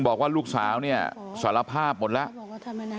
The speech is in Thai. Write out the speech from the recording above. บอกว่าลูกสาวเนี่ยสารภาพหมดแล้ว